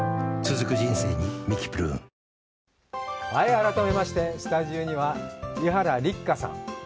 改めまして、スタジオには伊原六花さん。